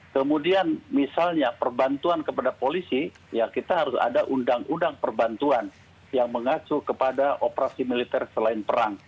kemudian misalnya perbantuan kepada polisi ya kita harus ada undang undang perbantuan yang mengacu kepada operasi militer selain perang